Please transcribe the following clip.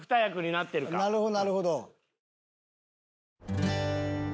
なるほどなるほど。